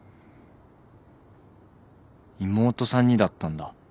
妹さんにだったんだ。